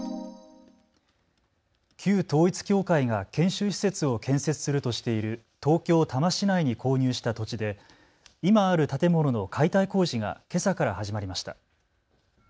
旧統一教会が研修施設を建設するとしている東京多摩市内に購入した土地で今ある建物の解体工事がけさから始まりました。